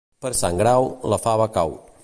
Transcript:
Per Sant Grau, la fava cau.